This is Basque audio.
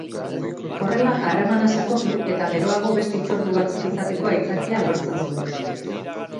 Horrela harremana sakondu eta geroago beste hitzordu batzuk izateko aitzakia lortzen zuen.